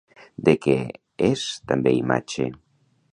De què és també imatge?